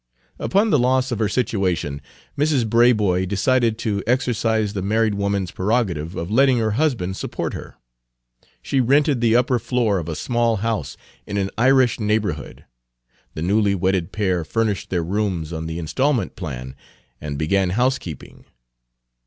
Upon the loss of her situation Mrs. Braboy decided to exercise the married woman's prerogative of letting her husband support her. She rented the upper floor of a small house in an Irish neighborhood. The newly wedded pair furnished their rooms on the installment plan and began housekeeping.